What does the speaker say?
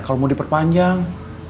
kalau mau diperpanjang